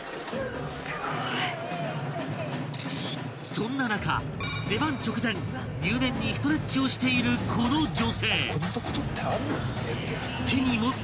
［そんな中出番直前入念にストレッチをしているこの女性］